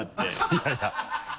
いやいや